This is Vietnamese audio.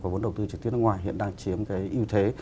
có vấn đồng tư trực tiếp nước ngoài hiện đang chiếm cái ưu thế